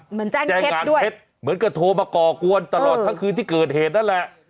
แจ้งการเท็จเหมือนกับโทรมาก่อกวนตลอดทั้งคืนที่เกิดเหตุนั่นแหละ